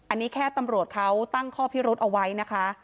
อันนี้แค่ตำรวจเขาตั้งข้อพิรุธเอาไว้นะคะ